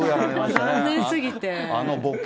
残念すぎて。